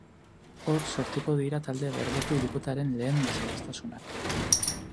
Hor sortuko dira talde berdeko hirukotearen lehen desadostasunak.